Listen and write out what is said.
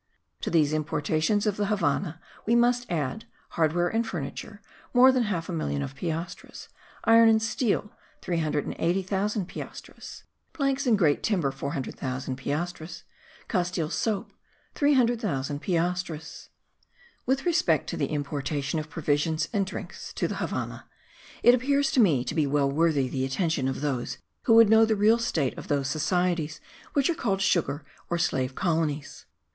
To these importations of the Havannah we must add: hardware and furniture, more than half a million of piastres; iron and steel, 380,000 piastres; planks and great timber, 400,000 piastres; Castile soap, 300,000 piastres. With respect to the importation of provisions and drinks to the Havannah, it appears to me to be well worthy the attention of those who would know the real state of those societies which are called sugar or slave colonies.